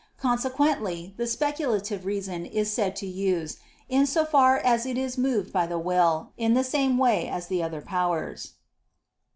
Consequently the speculative reason is said to use, in so far as it is moved by the will, in the same way as the other powers.